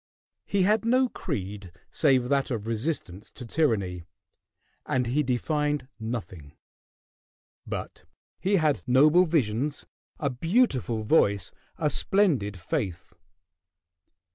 He had no creed save that of resistance to tyranny, and he defined nothing; but he had noble visions, a beautiful voice, a splendid faith.